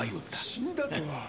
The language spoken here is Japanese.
死んだとは